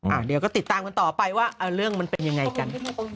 เดี๋ยวก็ติดตามกันต่อไปว่าเรื่องมันเป็นยังไงกัน